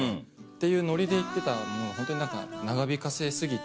っていうノリで言ってたものをホントに長引かせ過ぎて。